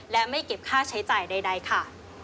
และไม่เก็บค่าใช้จ่ายใดค่ะ